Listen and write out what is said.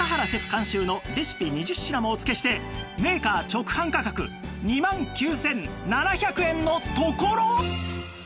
監修のレシピ２０品もお付けしてメーカー直販価格２万９７００円のところ